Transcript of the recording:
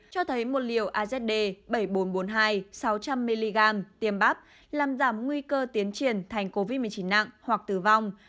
cho thấy một liều azd bảy nghìn bốn trăm bốn mươi hai sáu trăm linh mg tiêm bắp làm giảm nguy cơ tiến triển thành covid một mươi chín nặng hoặc tử vong